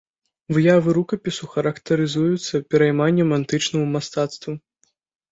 Выявы рукапісу характарызуюцца перайманнем антычнаму мастацтву.